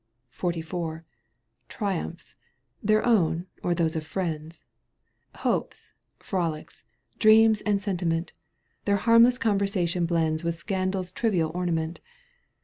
XLIV. Triumphs — ^their own or thosjB of friends — Hopes, frolics, dreams and sentiment Their harmless conversation blende With scandal's trivial ornament.